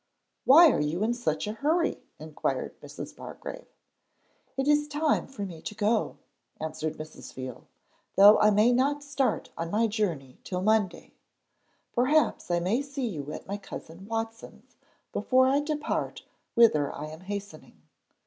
'Why are you in such a hurry?' inquired Mrs. Bargrave. 'It is time for me to go,' answered Mrs. Veal, 'though I may not start on my journey till Monday. Perhaps I may see you at my cousin Watson's before I depart whither I am hastening.'